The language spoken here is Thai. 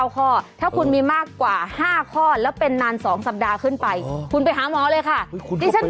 ครบกับคุณมากเลยซึ้งเศร้าเลยเป็นยังไงบ้างเดี๋ยวมาให้ฟังหน่อยสิ